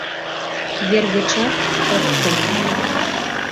— Вер гычат ок кынел.